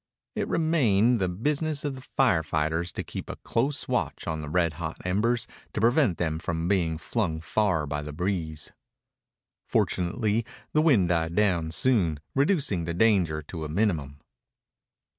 It remained the business of the fire fighters to keep a close watch on the red hot embers to prevent them from being flung far by the breeze. Fortunately the wind died down soon, reducing the danger to a minimum.